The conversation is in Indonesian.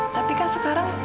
tapi kan sekarang